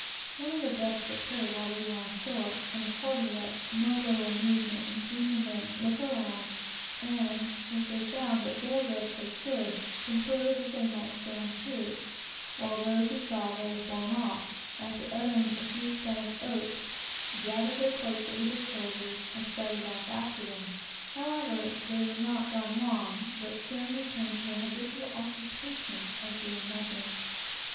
One of these gusts occurred while we were ashore, and afforded us no little amusement at seeing the men look round, and if they found that their roofs had stood, conclude that they might stand too, while those who saw theirs blown off, after uttering a few Spanish oaths, gathered their cloaks over their shoulders, and started off after them. However, they were not gone long, but soon returned to their habitual occupation of doing nothing.